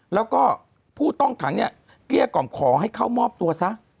แล้วก็ผู้ต้องขังเนี่ยเกลี้ยกล่อมขอให้เข้ามอบตัวซะ